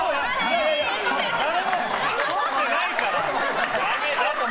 撮ってないから！